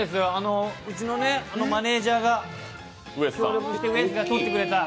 うちのマネージャーのウエスが取ってくれた。